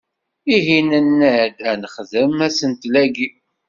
Ihi nenna-d, ad nexdem asentel-agi.